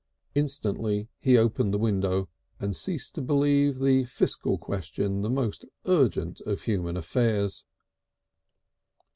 Instantly he opened the window and ceased to believe the Fiscal Question the most urgent of human affairs.